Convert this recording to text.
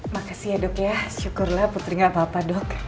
makasih ya dok ya syukurlah putrinya apa apa dok